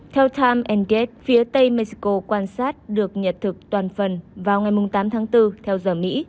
theo time phía tây mexico quan sát được nhật thực toàn phần vào ngày tám tháng bốn theo giờ mỹ